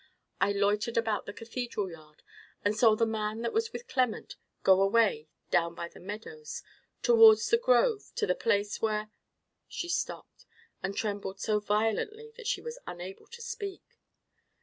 I loitered about the cathedral yard, and saw the man that was with Clement go away, down by the meadows, towards the grove, to the place where——" She stopped, and trembled so violently that she was unable to speak.